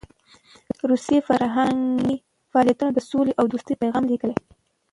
روسي فرهنګي فعالیتونه د سولې او دوستۍ پیغام لېږل.